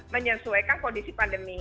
menyesuaikan kondisi pandemi